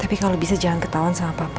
tapi kalau bisa jangan ketahuan sama papa